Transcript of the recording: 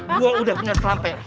gua udah punya selampe